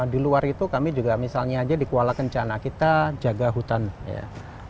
di luar itu kami juga misalnya aja di kuala kencana kita jaga hutan ya